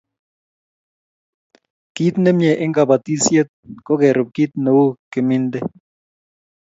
kiit nemie en kabotisheko kerub kiit neuu kimintee